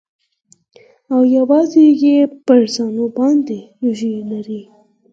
او يوازې يې پر زنو باندې ږيرې لرلې.